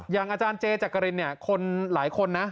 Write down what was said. อย่างอาจารย์เจจักรินเนี่ยคนหลายคนนะ